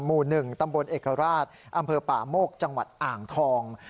หมู่๑ตำบลเอกราชอำเภอป่าโมกจังหวัดอ่างทอง